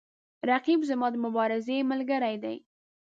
رقیب زما د مبارزې ملګری دی